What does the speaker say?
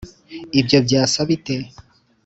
ibyo byasa bite?